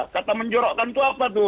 kata menjorokkan itu apa tuh